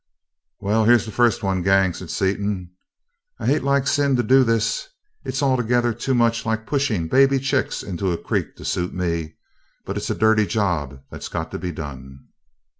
"Well, here's the first one, gang," said Seaton, "I hate like sin to do this it's altogether too much like pushing baby chickens into a creek to suit me, but it's a dirty job that's got to be done."